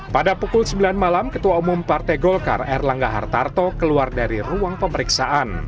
pada pukul sembilan malam ketua umum partai golkar erlangga hartarto keluar dari ruang pemeriksaan